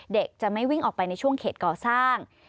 เด็กจะไม่วิ่งออกไปในช่วงเขตก่อสร้าง